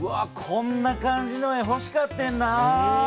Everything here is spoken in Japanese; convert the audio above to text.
こんな感じの絵ほしかってんな。